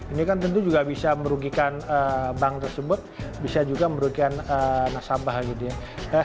ini kan tentu juga bisa merugikan bank tersebut bisa juga merugikan nasabah gitu ya